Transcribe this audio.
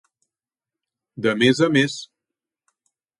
De més a més.